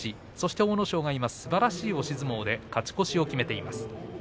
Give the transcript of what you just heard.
阿武咲がすばらしい押し相撲で勝ち越しを決めています。